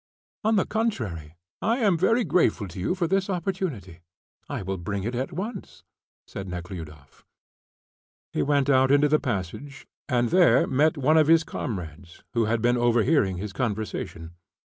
"On the contrary, I am very grateful to you for this opportunity. ... I will bring it at once," said Nekhludoff. He went out into the passage, and there met one of his comrades, who had been overhearing his conversation.